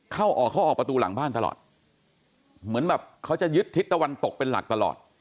เข้าออกเขาออกประตูหลังบ้านตลอดเหมือนแบบเขาจะยึดทิศตะวันตกเป็นหลักตลอด